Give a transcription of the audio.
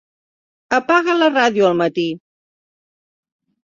Apaga la ràdio al matí.